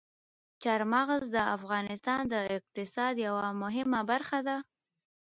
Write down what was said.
چار مغز د افغانستان د اقتصاد یوه مهمه برخه ده.